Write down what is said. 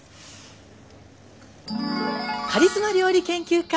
カリスマ料理研究家。